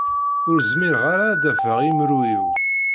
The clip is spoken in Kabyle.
Ur zmireɣ ara ad d-afeɣ imru-iw.